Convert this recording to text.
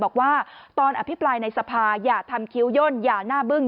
บอกว่าตอนอภิปรายในสภาอย่าทำคิ้วย่นอย่าหน้าบึ้ง